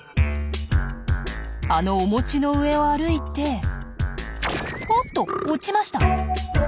あのお餅の上を歩いておっと落ちました。